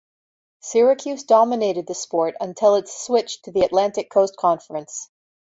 Syracuse dominated the sport until its switch to the Atlantic Coast Conference.